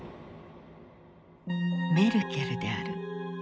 メルケルである。